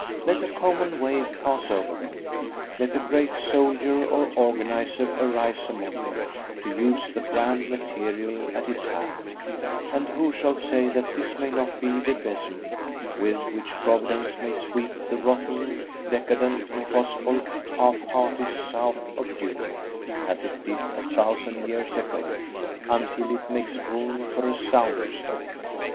Let a common wave pass over them, let a great soldier or organiser arise among them to use the grand material at his hand, and who shall say that this may not be the besom with which Providence may sweep the rotten, decadent, impossible, half hearted south of Europe, as it did a thousand years ago, until it makes room for a sounder stock?